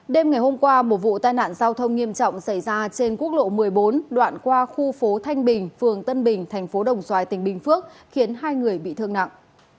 đêm ngày hôm qua một vụ tai nạn giao thông nghiêm trọng xảy ra trên quốc lộ một mươi bốn đoạn qua khu phố thanh bình phường tân bình thành phố đồng xoài tỉnh bình phước khiến hai người bị thương nặng